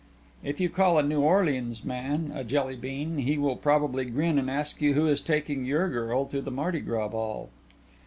If you call a New Orleans man a Jelly bean he will probably grin and ask you who is taking your girl to the Mardi Gras ball.